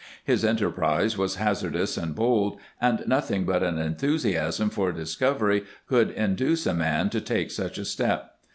His enterprise was hazardous and bold, and nothing but an enthusiasm for discovery could induce a man to take such a step.